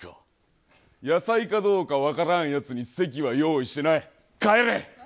野菜かどうか分からんやつに席は用意していない、帰れ！